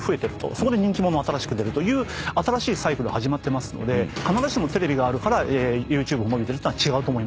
そこで人気者が新しく出るという新しいサイクル始まってますので必ずしもテレビがあるからＹｏｕＴｕｂｅが伸びてるとは違うと。